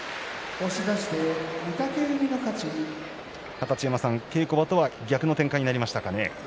二十山さん、稽古場とは逆の展開になりましたかね。